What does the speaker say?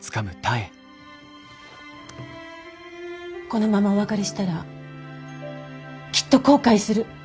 このままお別れしたらきっと後悔する。